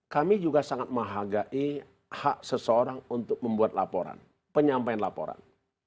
kami juga sangat menghargai hak seseorang untuk membuat laporan penyampaian laporan